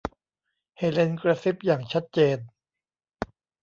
เฮเลนกระซิบอย่างชัดเจน